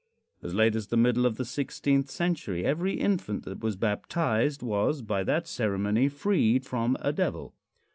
As late as the middle of the sixteenth century, every infant that was baptized was, by that ceremony, freed from a devil.